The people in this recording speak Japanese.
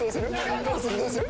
どうする？